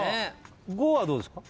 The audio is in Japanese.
５はどうですか？